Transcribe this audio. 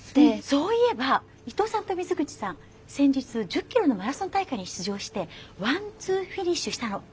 そういえば伊藤さんと水口さん先日１０キロのマラソン大会に出場してワンツーフィニッシュしたの。